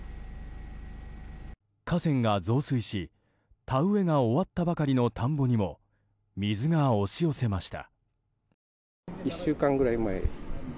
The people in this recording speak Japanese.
河川が増水し、田植えが終わったばかりの田んぼにも水が押し寄せました。